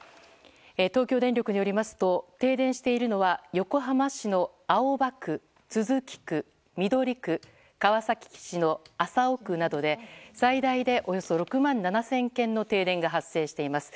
東京電力によりますと停電しているのは横浜市の青葉区、都筑区、緑区川崎市の麻生区などで最大でおよそ６万７０００軒の停電が発生しています。